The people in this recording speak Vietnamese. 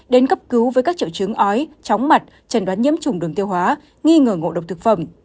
đến cấp cứu với các triệu chứng ói chóng mặt trần đoán nhiễm trùng đường tiêu hóa nghi ngờ ngộ độc thực phẩm